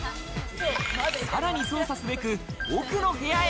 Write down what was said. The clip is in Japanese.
さらに捜査すべく奥の部屋へ。